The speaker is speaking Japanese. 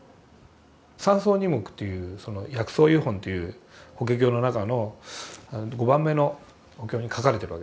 「三草二木」というその「薬草喩品」という「法華経」の中の５番目のお経に書かれてるわけですけど。